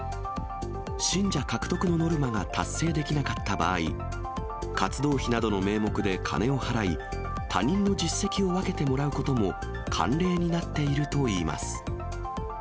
信者獲得のノルマが達成できなかった場合、活動費などの名目で金を払い、他人の実績を分けてもらうことも慣例になっているといいます。